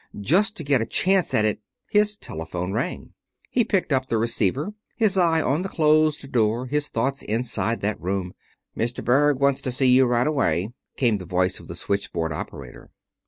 just to get a chance at it His telephone rang. He picked up the receiver, his eye on the closed door, his thoughts inside that room. "Mr. Berg wants to see you right away," came the voice of the switchboard operator.